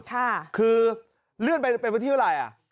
ค่ะคือเลื่อนไปเป็นพอที่เวลาไหร่